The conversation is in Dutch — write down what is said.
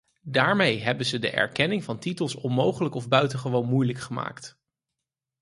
Daarmee hebben ze de erkenning van titels onmogelijk of buitengewoon moeilijk gemaakt.